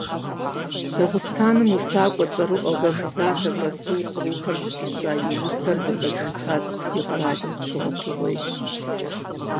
Дагъыстэным усакӀуэ цӀэрыӀуэ Гамзатов Расул «Кърухэр» зыфӀища и усэр зэхэзымыха цӀыху ди къэралым къыщыгъуэтыгъуейщ.